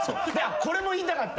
これも言いたかった。